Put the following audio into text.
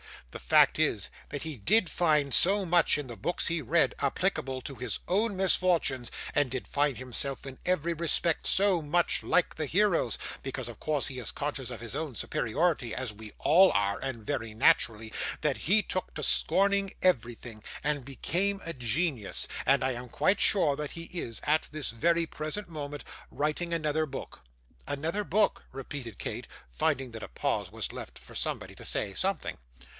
The fact is, that he did find so much in the books he read, applicable to his own misfortunes, and did find himself in every respect so much like the heroes because of course he is conscious of his own superiority, as we all are, and very naturally that he took to scorning everything, and became a genius; and I am quite sure that he is, at this very present moment, writing another book.' 'Another book!' repeated Kate, finding that a pause was left for somebody to say something.